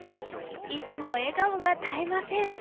いつも笑顔が絶えません。